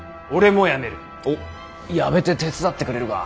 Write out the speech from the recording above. お辞めて手伝ってくれるか？